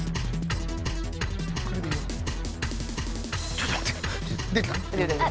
ちょっと待ってよ。